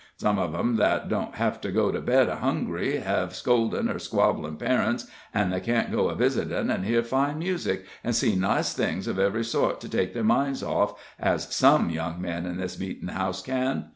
Some of them that don't hev to go to bed hungry hev scoldin' or squabblin' parents, an' they can't go a visitin' an' hear fine music, an' see nice things of every sort to take their minds off, as some young men in this meetin' house can.